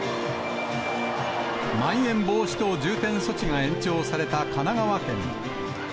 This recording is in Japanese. まん延防止等重点措置が延長された神奈川県。